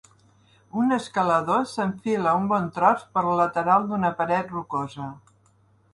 Un escalador s'enfila un bon tros pel lateral d'una paret rocosa.